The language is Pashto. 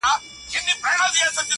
o هنر هنر سوم زرګري کومه ښه کومه ,